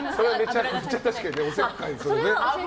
確かにおせっかいですよね。